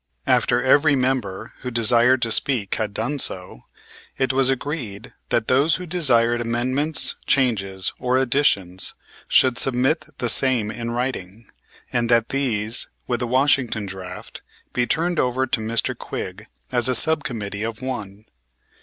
After every member who desired to speak had done so, it was agreed that those who desired amendments, changes, or additions should submit the same in writing, and that these with the Washington draft be turned over to Mr. Quigg as a sub committee of one.